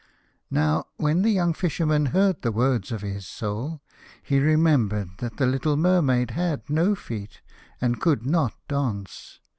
Now when the young Fisherman heard the words of his Soul, he remembered that the little Mermaid had no feet and could not dance.